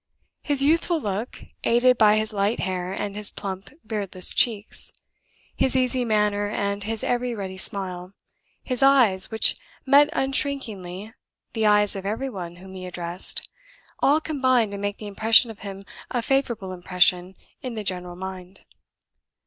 His youthful look, aided by his light hair and his plump beardless cheeks, his easy manner and his ever ready smile, his eyes which met unshrinkingly the eyes of every one whom he addressed, all combined to make the impression of him a favorable impression in the general mind.